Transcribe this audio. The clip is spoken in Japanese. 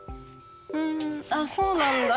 ふんあっそうなんだ。